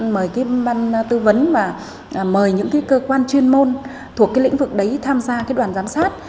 mời ban tư vấn và mời những cơ quan chuyên môn thuộc lĩnh vực đấy tham gia đoàn giám sát